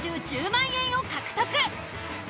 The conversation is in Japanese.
１０万円を獲得。